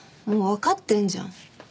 もうわかってんじゃん。